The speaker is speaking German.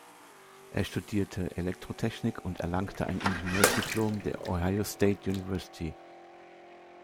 Er studierte Elektrotechnik und erlangte ein Ingenieursdiplom der Ohio State University.